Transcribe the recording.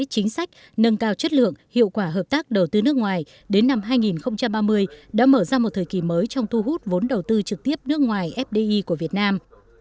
chính sách nâng cao chất lượng hiệu quả hợp tác đầu tư nước ngoài đến năm hai nghìn ba mươi đã mở ra một thời kỳ mới trong thu hút vốn đầu tư trực tiếp nước ngoài fdi của việt nam